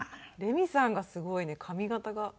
レミさんがすごいね髪形が。